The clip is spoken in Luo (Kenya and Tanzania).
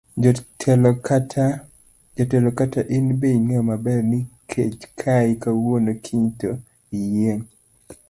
Jatelo kata in be ing'eyo maber ni kech kayi kawuono kiny to iyieng'.